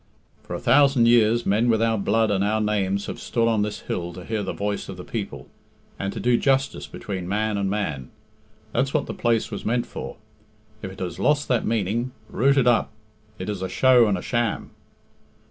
"For a thousand years men with our blood and our names have stood on this hill to hear the voice of the people, and to do justice between man and man. That's what the place was meant for. If it has lost that meaning, root it up it is a show and a sham."